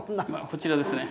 こちらですね。